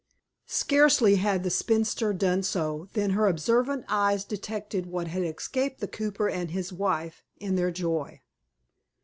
Scarcely had the spinster done so than her observant eyes detected what had escaped the cooper and his wife, in their joy.